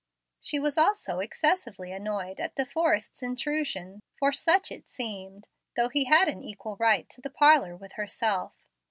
She was also excessively annoyed at De Forrest's intrusion, for such it seemed, though he had an equal right to the parlor with herself.